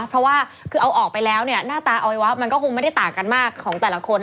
เพราะว่าคือเอาออกไปแล้วเนี่ยหน้าตาอวัยวะมันก็คงไม่ได้ต่างกันมากของแต่ละคน